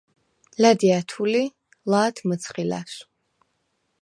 ლა̈დი ა̈თუ ლი, ლა̄თ მჷცხი ლა̈სვ.